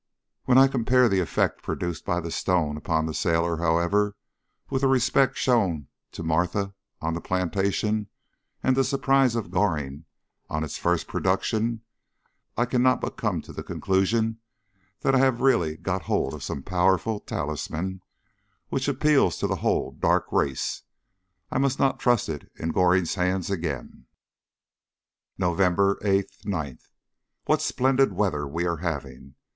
When I compare the effect produced by the stone upon the sailor, however, with the respect shown to Martha on the plantation, and the surprise of Goring on its first production, I cannot but come to the conclusion that I have really got hold of some powerful talisman which appeals to the whole dark race. I must not trust it in Goring's hands again. November 8, 9. What splendid weather we are having!